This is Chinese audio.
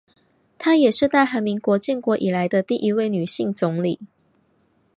她也是大韩民国建国以来的第一位女性总理。